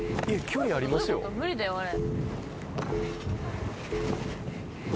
無理だよあれ。